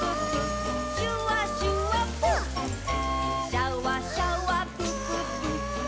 「シャワシャワプププ」ぷー。